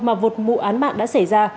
mà vụt mụ án mạng đã xảy ra